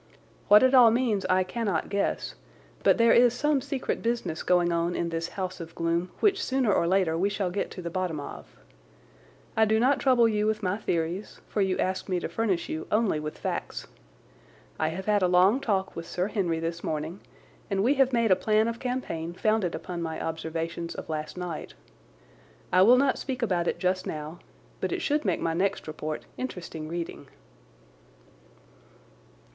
What it all means I cannot guess, but there is some secret business going on in this house of gloom which sooner or later we shall get to the bottom of. I do not trouble you with my theories, for you asked me to furnish you only with facts. I have had a long talk with Sir Henry this morning, and we have made a plan of campaign founded upon my observations of last night. I will not speak about it just now, but it should make my next report interesting reading.